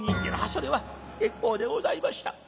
「それは結構でございました」。